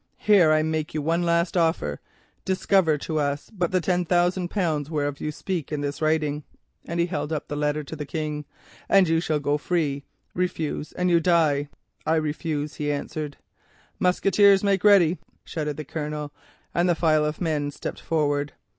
Here I make you one last offer. Discover but to us the ten thousand pounds whereof you speak in this writing,' and he held up the letter to the King, 'and you shall go free—refuse and you die.' "'I refuse,' he answered. "'Musqueteers, make ready,' shouted the Colonel, and the file of men stepped forward.